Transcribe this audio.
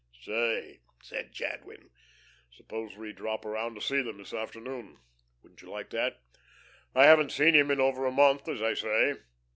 "Say," said Jadwin, "suppose we drop around to see them this afternoon? Wouldn't you like to? I haven't seen him in over a month, as I say.